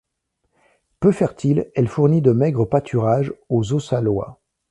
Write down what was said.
Peu fertile, elle fournit de maigres pâturages aux Ossalois.